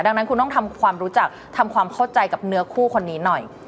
ดังนั้นคุณต้องทำความรู้จักทำความเข้าใจกับเนื้อคู่คนนี้หน่อย